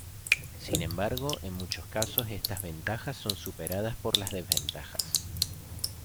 Sin embargo, en muchos casos estas ventajas son superadas por las desventajas.